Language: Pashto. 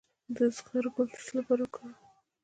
د زغر ګل د څه لپاره وکاروم؟